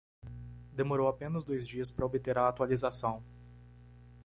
Demorou apenas dois dias para obter a atualização.